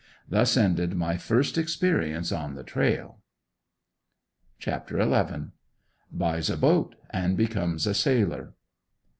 Thus ended my first experience on the "trail." CHAPTER XI. BUYS A BOAT AND BECOMES A SAILOR.